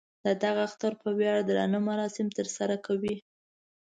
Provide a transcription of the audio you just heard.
د دغه اختر په ویاړ درانه مراسم تر سره کوي.